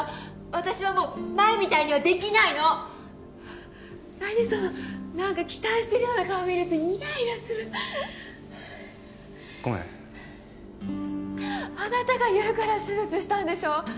私はもう前みたいにはできないの何その何か期待してるような顔見るとイライラするごめんあなたが言うから手術したんでしょ